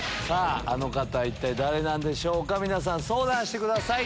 あの方は一体誰なんでしょうか皆さん相談してください。